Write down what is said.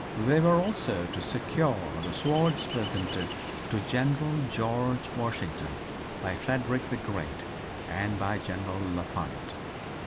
They were also to secure the swords presented to General George Washington by Frederick the Great and by General Lafayette.